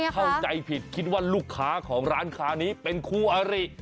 เข้าใจผิดคิดว่าลูกค้าของร้านค้านี้เป็นคู่อาริ